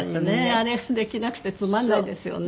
あれができなくてつまらないですよね。